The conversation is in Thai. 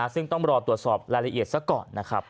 ซึ่งต้องรอตรวจสอบรายละเอียดซะก่อนนะครับ